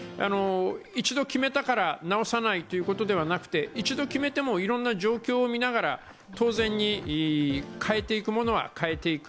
一度決めたから直さないということではなくて一度決めてもいろんな状況を見ながら当然に変えていくものは変えていく。